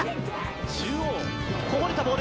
中央、こぼれたボール。